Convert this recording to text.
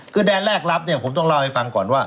คือแดนแรกรับเนี่ยผมต้องเล่าให้ฟังก่อนว่า